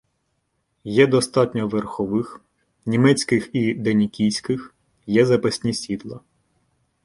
Є достатньо верхових, німецьких і денікінських, є запасні сідла.